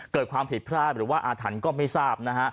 เกิดความผิดพลาดหรือว่าอาถรรพ์ก็ไม่ทราบนะฮะ